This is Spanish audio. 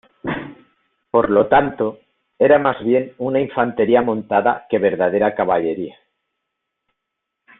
Por lo tanto, era más bien una infantería montada que verdadera caballería.